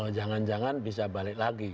jangan jangan bisa balik lagi